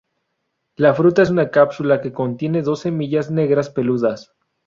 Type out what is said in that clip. La fruta es una cápsula que contiene dos semillas negras peludas.